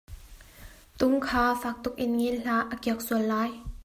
Tung kha faak tukin ngel hlah, a kiak sual lai.